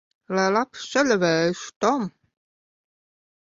Lai labs ceļavējš, Tom!